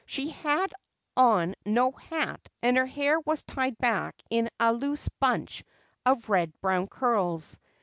She had on no hat and her hair was tied back in a loose bunch of red brown curls.